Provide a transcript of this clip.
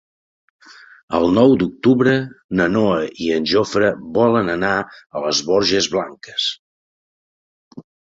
El nou d'octubre na Noa i en Jofre volen anar a les Borges Blanques.